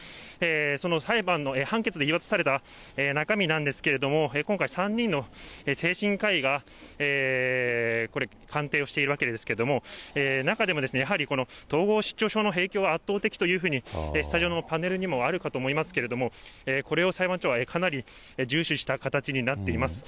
その裁判の判決で言い渡された中身なんですけれども、今回、３人の精神科医が、これ、鑑定をしているわけですけれども、中でもやはりこの統合失調症の影響は圧倒的というふうに、スタジオのパネルにもあるかと思いますけれども、これを裁判長はかなり重視した形になっています。